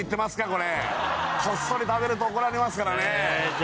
これこっそり食べると怒られますからねじゃ